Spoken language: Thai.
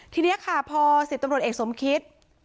ทีนี้ค่ะพอ๑๐ตำรวจเอกสมคิต